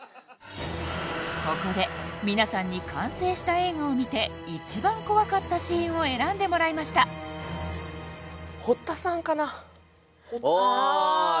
ここで皆さんに完成した映画を見て一番怖かったシーンを選んでもらいました堀田さんかなあ！